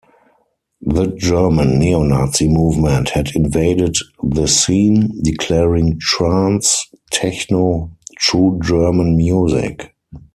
The German neo-Nazi movement had invaded the scene, declaring trance techno "true German music".